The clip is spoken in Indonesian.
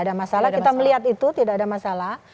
ada masalah kita melihat itu tidak ada masalah